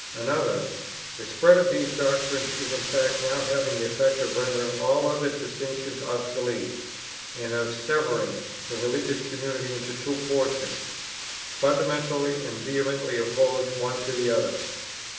Another: "The spread of these doctrines is in fact now having the effect of rendering all other distinctions obsolete, and of severing the religious community into two portions, fundamentally and vehemently opposed one to the other.